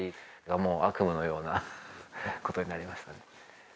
もう悪夢のようなことになりましたね。